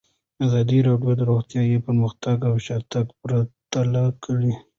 ازادي راډیو د روغتیا پرمختګ او شاتګ پرتله کړی.